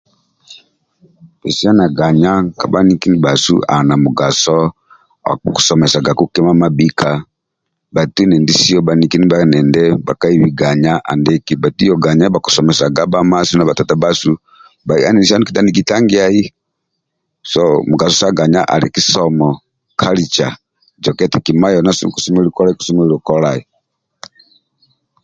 Pesiana ganya ka bhaniki ndibhasu ali na mugaso akukusomesagaku kima mabhika bhaitu endindisio bhaniki ndibhe endidi bhakaibi ganya andiki bhaitu yoho ganya bhakusomesaga bha amasu na bhatata bhasu bha anisa ndie tandikintangiai so mugaso sa ganya alin kisomo kalica zoke eti kima yoho kosemelelu kolai kosemelelu kolai